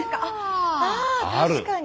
あ確かに。